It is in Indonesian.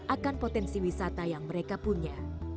akan potensi wisata yang mereka punya